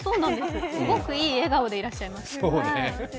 すごくいい笑顔でいらっしゃいます。